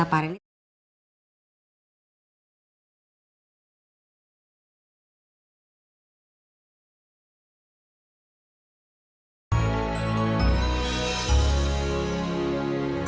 iyo bapaknya abis berni cm